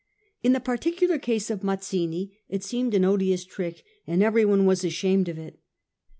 In the particular case of Mazzini it seemed an odious trick, and everyone was ashamed of it.